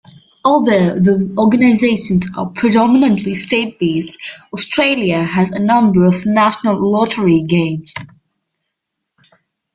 Although the organisations are predominantly state-based, Australia has a number of national lottery games.